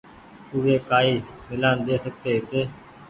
اوي ڪآئي ميلآن ۮي سڪي ڇي